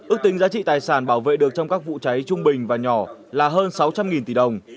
ước tính giá trị tài sản bảo vệ được trong các vụ cháy trung bình và nhỏ là hơn sáu trăm linh tỷ đồng